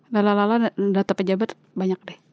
dan data pejabat banyak